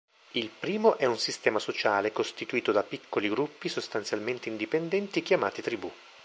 Il primo è un sistema sociale costituito da piccoli gruppi sostanzialmente indipendenti, chiamati tribù.